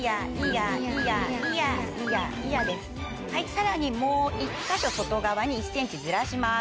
さらにもう１か所外側に１ｃｍずらします。